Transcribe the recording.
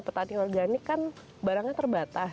karena namanya petani organik kan barangnya terbatas